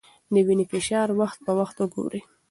د وینې فشار وخت په وخت وګورئ.